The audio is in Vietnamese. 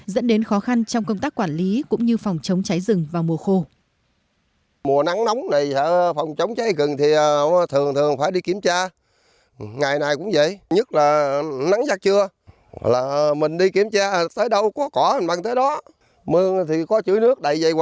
dẫn đến khó khăn trong công tác quản lý cũng như phòng chống cháy rừng vào mùa khô